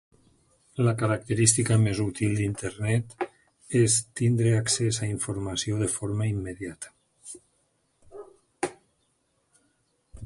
La característica més útil d'internet és tindre accés a informació de forma immediata.